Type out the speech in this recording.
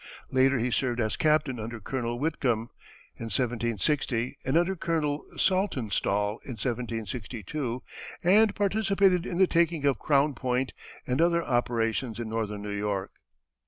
Later he served as captain under Colonel Whitcomb, in 1760, and under Colonel Saltonstall, in 1762, and participated in the taking of Crown Point and other operations in northern New York.